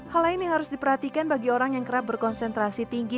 hal lain yang harus diperhatikan bagi orang yang kerap berkonsentrasi tinggi